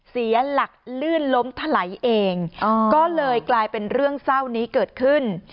เสียหลักลื่นล้มถลายเองก็เลยกลายเป็นเรื่องเศร้านี้เกิดขึ้น